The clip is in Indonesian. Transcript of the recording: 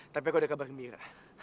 tapi kok ada kabar gembira